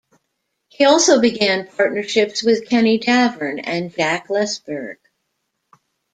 He also began partnerships with Kenny Davern and Jack Lesberg.